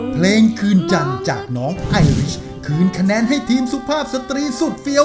เพลงคืนจันทร์จากน้องไอลิชคืนคะแนนให้ทีมสุภาพสตรีสุดเฟี้ยว